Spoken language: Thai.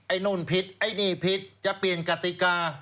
นู่นผิดไอ้นี่ผิดจะเปลี่ยนกติกา